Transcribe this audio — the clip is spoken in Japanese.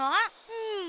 うん。